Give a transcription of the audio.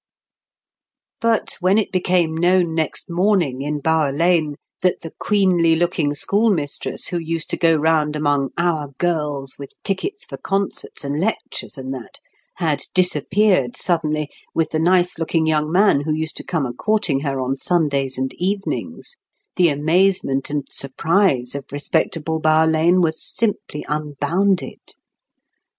But when it became known next morning in Bower Lane that the queenly looking school mistress who used to go round among "our girls" with tickets for concerts and lectures and that, had disappeared suddenly with the nice looking young man who used to come a courting her on Sundays and evenings, the amazement and surprise of respectable Bower Lane was simply unbounded.